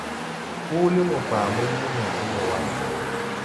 Huulí mo baa mo yoo naaré woo wa.